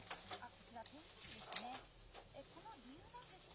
こちら、天気図ですね。